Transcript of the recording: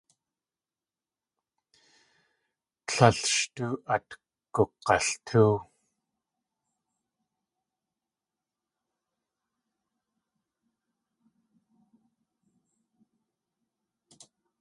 Tlél sh tóo at gug̲altóow.